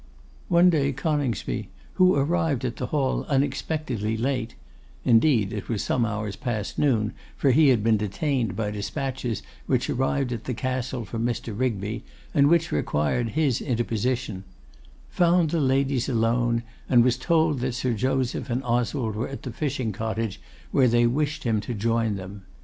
One day Coningsby, who arrived at the hall unexpectedly late; indeed it was some hours past noon, for he had been detained by despatches which arrived at the Castle from Mr. Rigby, and which required his interposition; found the ladies alone, and was told that Sir Joseph and Oswald were at the fishing cottage where they wished him to join them.